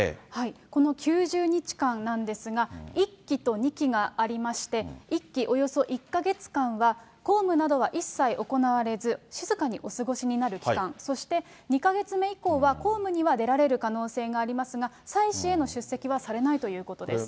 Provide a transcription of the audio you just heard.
この９０日間なんですが、１期と２期がありまして、１期およそ１か月間は、公務などは一切行われず、静かにお過ごしになる期間、そして２か月目以降は、公務には出られる可能性がありますが、祭祀への出席はされないということです。